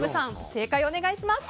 正解お願いします。